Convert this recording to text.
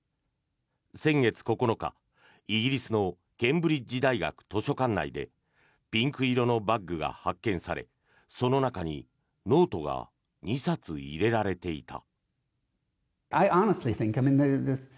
先月９日、イギリスのケンブリッジ大学図書館内でピンク色のバッグが発見されその中にノートが２冊入れられていた。